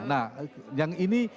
nah yang ini